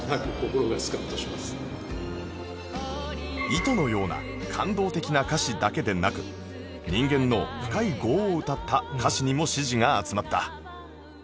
『糸』のような感動的な歌詞だけでなく人間の深い業を歌った歌詞にも支持が集まった